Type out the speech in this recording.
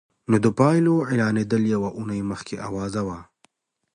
نو د پايلو اعلانېدل يوه اونۍ مخکې اوازه وه.